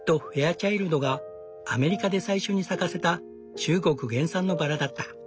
チャイルドがアメリカで最初に咲かせた中国原産のバラだった。